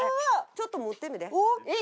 ちょっと持ってみて。